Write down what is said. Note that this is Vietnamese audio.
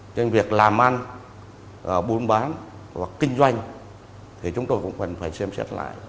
nên việc làm ăn bún bán và kinh doanh thì chúng tôi cũng phải xem xét lại